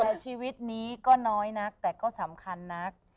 แต่ชีวิตนี้ก็น้อยนักแต่ก็สำคัญนัก